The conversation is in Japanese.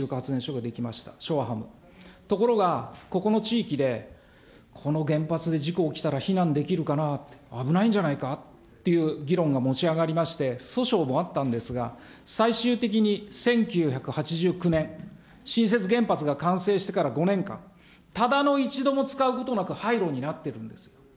ところが、ここの地域でこの原発で事故起きたら避難できるかな、危ないんじゃないかという議論が持ち上がりまして、訴訟もあったんですが、最終的に１９８９年、新設原発が完成してから５年間、ただの一度も使うことなく廃炉になっているんです。